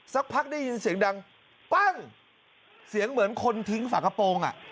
สักพักได้ยินเสียงดังปั้งเสียงเหมือนคนทิ้งฝากระโปรงอ่ะ